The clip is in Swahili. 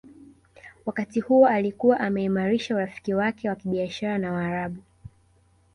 Wakati huo alikuwa ameimarisha urafiki wake wa kibiashara na Waarabu